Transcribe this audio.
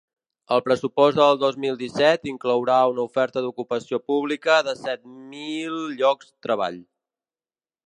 El pressupost del dos mil disset inclourà una oferta d’ocupació pública de set mil llocs treball.